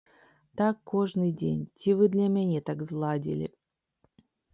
Так кожны дзень ці вы для мяне так зладзілі?